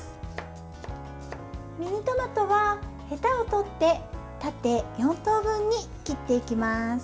ミニトマトは、へたを取って縦４等分に切っていきます。